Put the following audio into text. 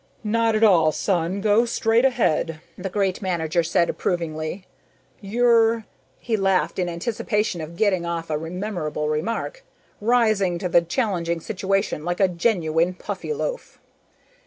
"Not at all, son; go straight ahead," the great manager said approvingly. "You're" he laughed in anticipation of getting off a memorable remark "rising to the challenging situation like a genuine Puffyloaf."